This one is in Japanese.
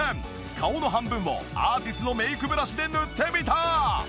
顔の半分をアーティスのメイクブラシで塗ってみた！